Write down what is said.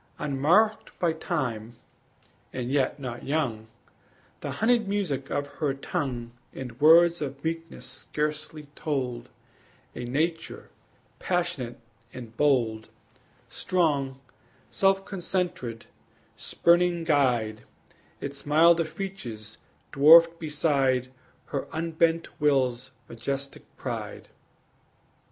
Unmarked by time, and yet not young, The honeyed music of her tongue And words of meekness scarcely told A nature passionate and bold, Strong, self concentred, spurning guide, Its milder features dwarfed beside Her unbent will's majestic pride.